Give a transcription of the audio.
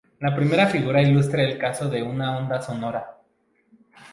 La primera figura ilustra el caso de una onda sonora.